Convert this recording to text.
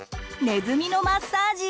「ネズミのマッサージ」。